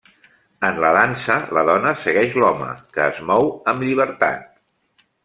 En la dansa, la dona segueix l'home, que es mou amb llibertat.